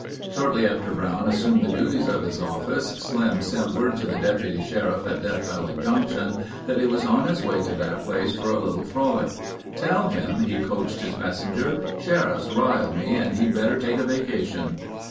Shortly after Brown assumed the duties of his office, Slim sent word to the deputy sheriff at Death Valley Junction that he was on his way to that place for a little frolic. "Tell him," he coached his messenger, "sheriffs rile me and he'd better take a vacation."